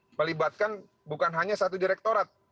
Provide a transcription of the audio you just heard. dan juga melibatkan bukan hanya satu direktorat